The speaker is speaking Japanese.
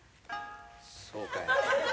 そうかい。